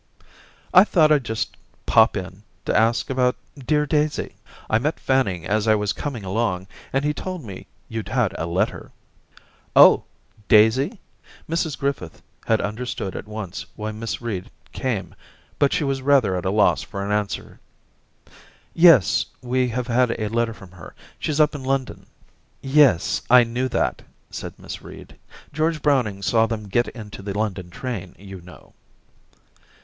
* I thought I'd just pop in to ask about dear Daisy. I met Fanning as I was coming along and he told me you'd had a letter.' *Oh! Daisy?' Mrs Griffith had Under stood at once why Miss Reed came, but she was rather at a loss for an answer. ...* Yes, we have had a letter from her. She's up in London.' *Yes, I knew that,' said Miss Reed. 'George Browning saw them get into the London train, you know.'